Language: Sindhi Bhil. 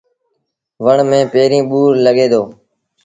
وڻ ميݩ پيريݩ ٻور لڳي دو۔